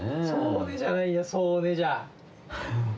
そうねじゃないよそうねじゃ。